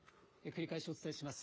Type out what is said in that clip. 繰り返しお伝えします。